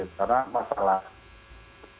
karena masalah ini masalah dari hulu sampai akhir